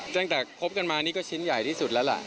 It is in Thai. ตั้งแต่คบกันมานี่ก็ชิ้นใหญ่ที่สุดแล้วล่ะ